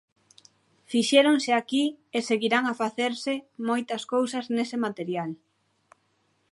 Fixéronse aquí, e seguirán a facerse, moitas cousas nese material.